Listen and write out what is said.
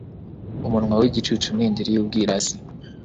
umunwa w'igicucu ni indiri y'ubwirasi